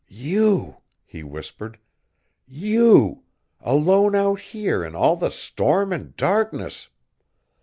"You!" he whispered, "you! Alone out here in all the storm and darkness!"